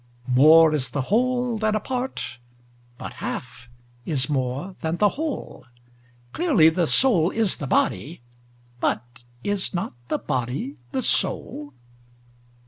More is the whole than a part: but half is more than the whole: Clearly, the soul is the body: but is not the body the soul?